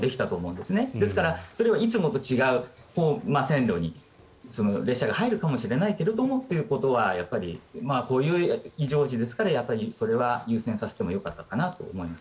ですから、それをいつもと違う線路に列車が入るかもしれないけれどもというところはこういう非常時ですからそれは優先させてよかったかなとは思います。